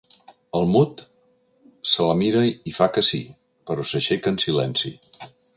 El Mud se la mira i fa que sí, però s'aixeca en silenci.